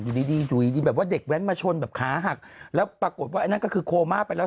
อยู่ดีดีอยู่ดีดีแบบว่าเด็กแว้นมาชนแบบขาหักแล้วปรากฏว่าไอ้นั่นก็คือโคม่าไปแล้ว